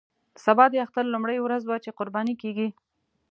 سبا د اختر لومړۍ ورځ وه چې قرباني کېږي.